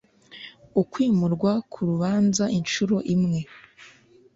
Ukwimurwa k urubanza inshuro imwe